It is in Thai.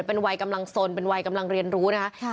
เป็นวัยกำลังสนเป็นวัยกำลังเรียนรู้นะคะ